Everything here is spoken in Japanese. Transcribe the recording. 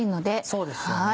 そうですよね。